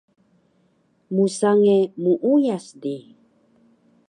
Msange muuyas di